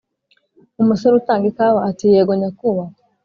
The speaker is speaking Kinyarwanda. umusore utanga ikawa ati" yego nyakubahwa